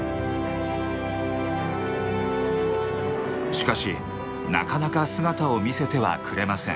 しかしなかなか姿を見せてはくれません。